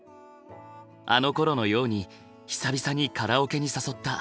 あのころのように久々にカラオケに誘った。